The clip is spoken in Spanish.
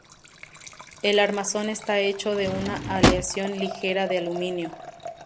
El armazón está hecho de una aleación ligera de aluminio.